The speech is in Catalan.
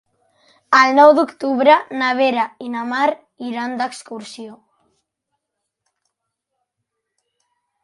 El nou d'octubre na Vera i na Mar iran d'excursió.